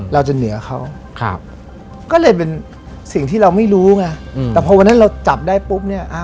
เราจะเหนือเขาก็เลยเป็นสิ่งที่เราไม่รู้ไงแต่พอวันนั้นเราจับได้ปุ๊บเนี่ย